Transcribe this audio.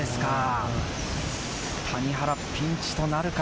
谷原、ピンチとなるか？